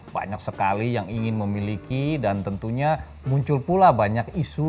banyak sekali yang ingin memiliki dan tentunya muncul pula banyak isu